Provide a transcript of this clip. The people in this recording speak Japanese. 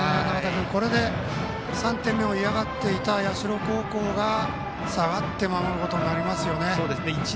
これで３点目を嫌がっていた社高校が下がって守ることになりますね。